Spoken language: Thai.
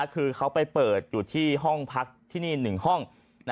คือเขาไปเปิดอยู่ที่ห้องพักที่นี่๑ห้อง